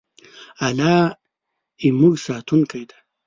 الله زموږ ساتونکی دی.